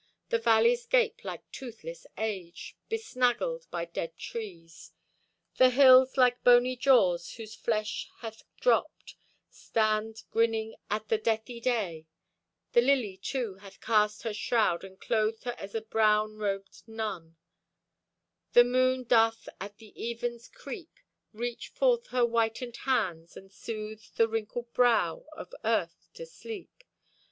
The valleys gape like toothless age, Besnaggled by dead trees. The hills, like boney jaws whose flesh hath dropped, Stand grinning at the deathy day. The lily, too, hath cast her shroud And clothed her as a brown robed nun. The moon doth, at the even's creep, Reach forth her whitened hands and sooth The wrinkled brow of earth to sleep.